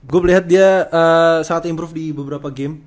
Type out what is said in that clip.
gue melihat dia sangat improve di beberapa game